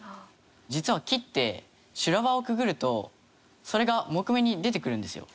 実は木って修羅場をくぐるとそれが杢目に出てくるんですよ。